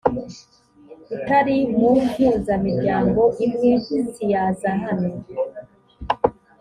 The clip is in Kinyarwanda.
itari mu mpuzamiryango imwe siyaza hano